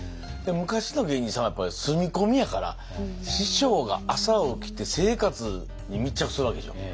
昔の芸人さんはやっぱり住み込みやから師匠が朝起きて生活に密着するわけでしょ。